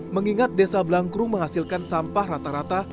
mengingat desa blangkrum menghasilkan sampah rata rata